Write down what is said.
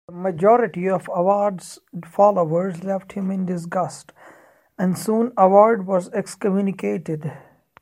The majority of Avard's followers left him in disgust, and soon Avard was excommunicated.